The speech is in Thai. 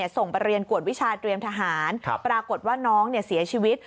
ส่งไปเรียนกวดวิชาเตรียมทหารปรากฏว่าน้องเสียชีวิต